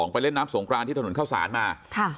ไปเล่นน้ำสงกรานที่ถนนเข้าสารมา